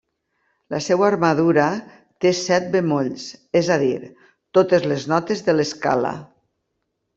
La seva armadura té set bemolls, és a dir, totes les notes de l'escala.